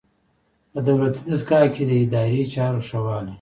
په دولتي دستګاه کې د اداري چارو ښه والی.